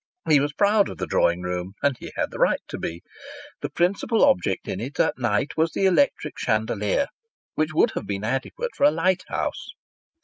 He was proud of the drawing room, and he had the right to be. The principal object in it, at night, was the electric chandelier, which would have been adequate for a lighthouse.